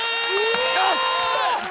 よし！